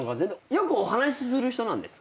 よくお話しする人なんですか？